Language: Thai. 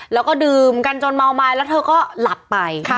แล้วก็ดื่มกันจนเมาไม้แล้วเธอก็หลับไป